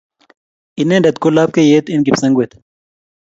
Inendet ko Lapkeiyet, eng Kipsengwet